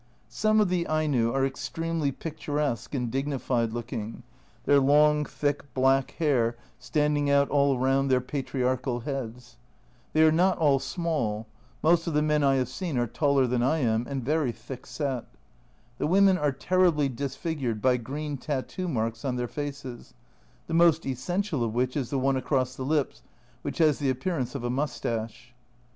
Some of the Aino are extremely picturesque and dignified looking, their long, thick, black hair stand ing out all round their patriarchal heads. They are 26 A Journal from Japan not all small ; most of the men I have seen are taller than I am, and very thick set. The women are terribly disfigured by green tattoo marks on their faces, the most essential of which is the one across the lips, which has the appearance of a moustache.